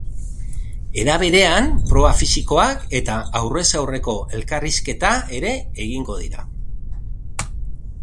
Era berean, proba fisikoak eta aurrez aurreko elkarrizketa ere egingo dira.